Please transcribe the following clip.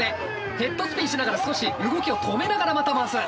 ヘッドスピンしながら少し動きを止めながらまた回す。